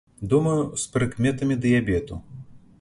Думаю, з прыкметамі дыябету.